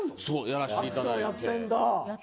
やらせていただいて。